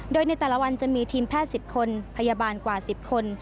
โดยในแต่ละวันจะมีทีมแพทย์๑๐คนพยาบาลกว่า๑๐คน